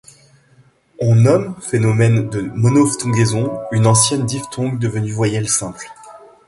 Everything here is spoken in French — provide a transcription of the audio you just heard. On nomme phénomène de monophtongaison une ancienne diphtongue devenue voyelle simple.